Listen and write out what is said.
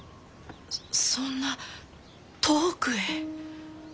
そんな遠くへ？